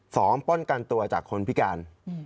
ป้องกันตัวจากคนพิการ